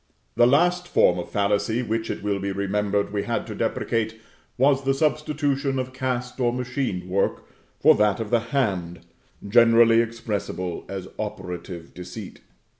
The last form of fallacy which it will be remembered we had to deprecate, was the substitution of cast or machine work for that of the hand, generally expressible as Operative Deceit.